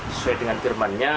sesuai dengan firmannya